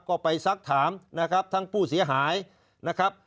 ก็ไปซักถามนะครับทั้งผู้เสียหายนะครับ